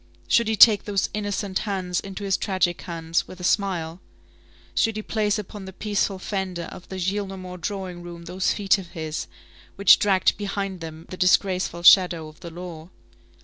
Should he take those innocent hands into his tragic hands, with a smile? Should he place upon the peaceful fender of the Gillenormand drawing room those feet of his, which dragged behind them the disgraceful shadow of the law?